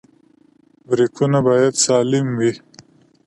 برېکونه باید سالم وي.